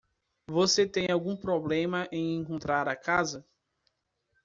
Você teve algum problema em encontrar a casa?